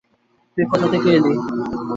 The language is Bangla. তুই কোথা থেকে এলি?